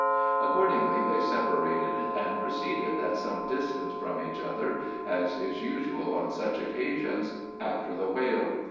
Accordingly they separated, and proceeded at some distance from each other, as is usual on such occasions, after the whale.